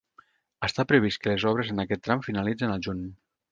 Està previst que les obres en aquest tram finalitzen al juny.